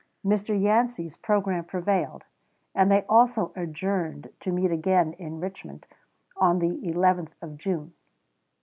Mr. Yancey's programme prevailed, and they also adjourned to meet again in Richmond on the 11th of June.